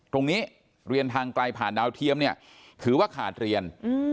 โรงเรียนทางไกลผ่านดาวเทียมเนี่ยถือว่าขาดเรียน